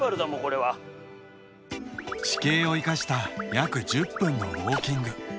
地形を生かした約１０分のウオーキング。